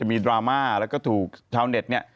จะมีดราม่าและถูกชาวเน็ตเนี่ย